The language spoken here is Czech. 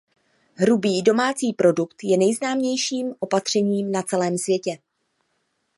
Hrubý domácí produkt je nejznámějším opatřením na celém světě.